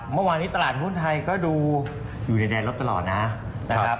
เมื่อวานนี้ตลาดหุ้นไทยก็ดูอยู่ในแดนรถตลอดนะครับ